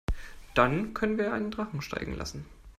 Dann können wir ja einen Drachen steigen lassen.